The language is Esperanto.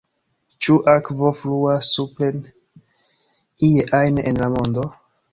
Ĉu akvo fluas supren ie ajn en la mondo?